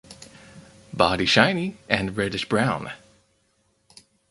Body shiny and reddish brown.